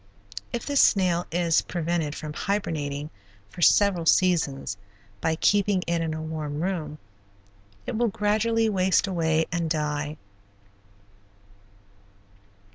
If this snail is prevented from hibernating for several seasons by keeping it in a warm room, it will gradually waste away and die.